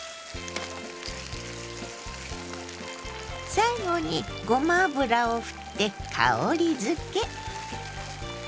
最後にごま油をふって香りづけ。